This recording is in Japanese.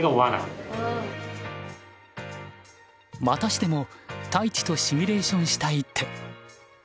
またしても太地とシミュレーションした一手。